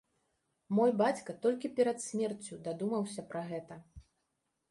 Мой бацька толькі перад смерцю дадумаўся пра гэта!